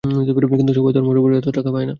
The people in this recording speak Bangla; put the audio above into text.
কিন্তু সবাই তো আর মরার পর এত টাকা পায় না!